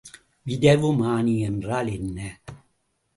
விரைவுமானி என்றால் என்ன?